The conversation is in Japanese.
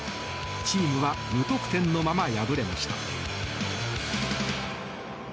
チームは無得点のまま敗れました。